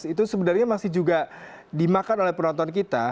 itu sebenarnya masih juga dimakan oleh penonton kita